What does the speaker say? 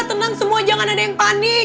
tenang semua jangan ada yang panik